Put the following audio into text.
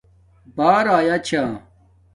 بݳر آیاچھݳ